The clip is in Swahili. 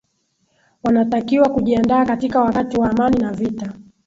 wanatakiwa kujiandaa katika wakati wa amani na vita